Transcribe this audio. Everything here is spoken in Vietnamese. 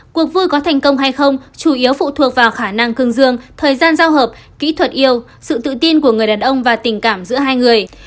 cuộc vui có thành công hay không chủ yếu phụ thuộc vào khả năng cương dương thời gian giao hợp kỹ thuật yêu sự tự tin của người đàn ông và tình cảm giữa hai người